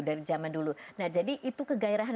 dari zaman dulu nah jadi itu kegairahan